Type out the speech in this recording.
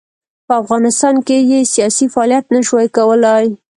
په افغانستان کې یې سیاسي فعالیت نه شوای کولای.